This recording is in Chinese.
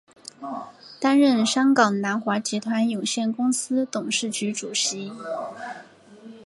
担任香港南华集团有限公司董事局主席。